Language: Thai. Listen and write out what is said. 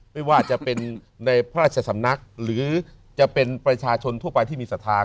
ไม่ว่าจะเป็นในพระราชสำนักหรือจะเป็นประชาชนทั่วไปที่มีศรัทธา